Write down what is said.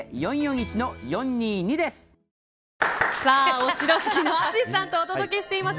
お城好きの淳さんとお届けしています